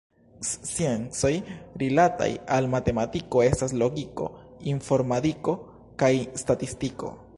Sciencoj rilataj al matematiko estas logiko, informadiko kaj statistiko.